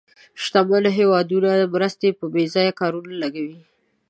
شتمن هېوادونه مرستې په بې ځایه کارونو لګوي.